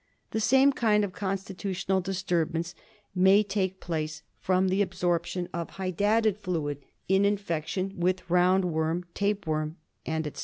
The same kind of constitutional dis turbance may take place from the absorp tion of hydatid fluid, in infection with round worm, tape worm, etc.